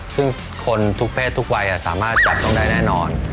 ซึ่งคนทุกเพศทุกวัยสามารถจับต้องได้แน่นอน